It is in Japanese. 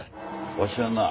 わしはなあ